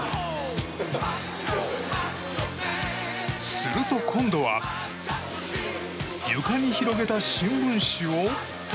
すると、今度は床に広げた新聞紙を。